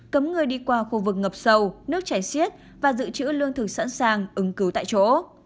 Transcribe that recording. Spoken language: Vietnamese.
cấm người đi qua khu vực ngập sâu nước chảy xiết và giữ chữ lương thực sẵn sàng ứng cứu tại chỗ